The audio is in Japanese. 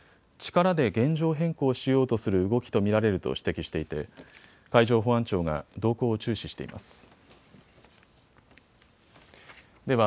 力で現状変更しようとする動きと見られると指摘していて海上保安庁が動向を注視しています。